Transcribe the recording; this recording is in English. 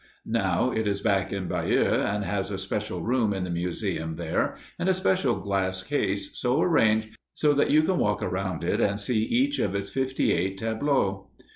Now it is back in Bayeux, and has a special room in the museum there and a special glass case so arranged that you can walk around it and see each of its fifty eight tableaux.